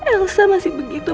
elsa masih begitu